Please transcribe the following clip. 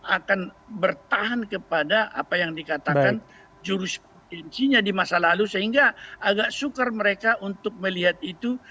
akan bertahan kepada apa yang dikatakan jurus incinya di masa lalu sehingga agak sukar mereka untuk melihat itu